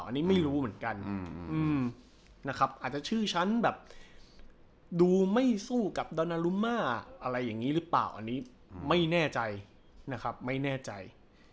อันนี้ไม่รู้เหมือนกันนะครับอาจจะชื่อฉันแบบดูไม่สู้กับดานารุมาอะไรอย่างนี้หรือเปล่าอันนี้ไม่แน่ใจนะครับไม่แน่ใจ